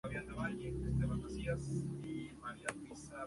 El presbiterio al fondo, conserva el pavimento original.